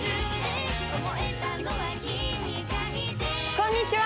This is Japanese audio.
こんにちは。